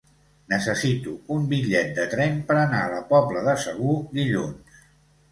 Necessito un bitllet de tren per anar a la Pobla de Segur dilluns.